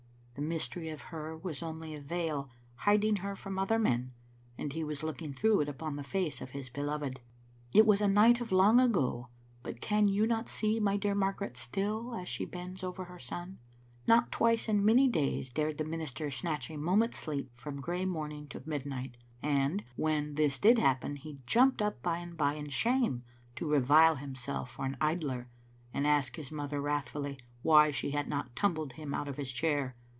The mystery of her was only a veil hiding her from other men, and he was looking through it upon the face of his beloved. It was a night of long ago, but can you not see my dear Margaret still as she bends over her son? Not twice in many days dared the minister snatch a mo ment's sleep from grey morning to midnight, and, when this did happen, he jumped up by and by in shame, to revile himself for an idler and ask his mother wrathfuUy why she had not tumbled him out of his chair?